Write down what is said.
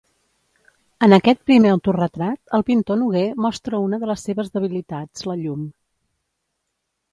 En aquest primer autoretrat el Pintor Nogué mostra una de les seves debilitats la llum.